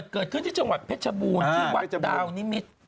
เกิดขึ้นที่จังหวัดเพชรบูรณ์ที่วัดดาวนิมิตร